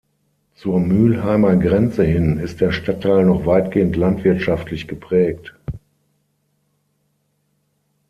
Zur Mülheimer Grenze hin, ist der Stadtteil noch weitgehend landwirtschaftlich geprägt.